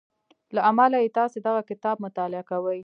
له امله يې تاسې دغه کتاب مطالعه کوئ.